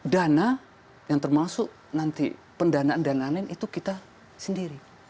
dana yang termasuk nanti pendanaan dan lain lain itu kita sendiri